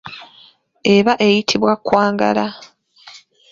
Eba eyitibwa kkwangala.